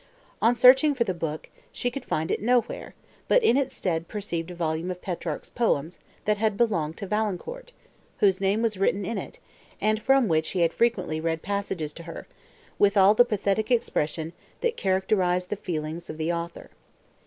On searching for the book, she could find it nowhere, but in its stead perceived a volume of Petrarch's poems, that had belonged to Valancourt, whose name was written in it, and from which he had frequently read passages to her, with all the pathetic expression, that characterised the feelings of the author.